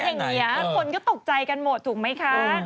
เขาเขียนอย่างนี้คนก็ตกใจกันหมดถูกไหมคะ